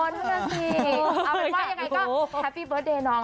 อ๋อนั่นจริง